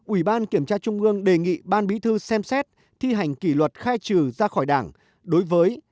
ủy ban kiểm tra trung ương đề nghị ban bí thư xem xét thi hành kỷ luật khai trừ ra khỏi đảng đối với